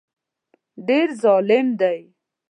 ډېر ظالم دی.